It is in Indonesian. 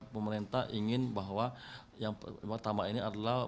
pemerintah ingin bahwa yang pertama ini adalah